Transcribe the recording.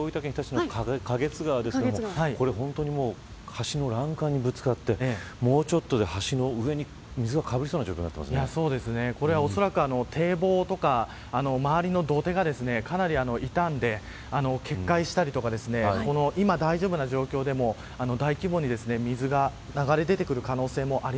映像は大分県の花月川ですが橋の欄干にぶつかってもうちょっとで橋の上に水がかぶりそうな状況にこれはおそらく堤防とか周りの土手がかなり傷んで決壊したりとか今、大丈夫な状況でも大規模に水が流れ出てくる